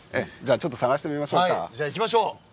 ちょっと探してみましょうか。